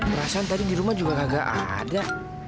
perasaan tadi di rumah juga kagak ada